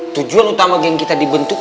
tujuan utama geng kita dibentuk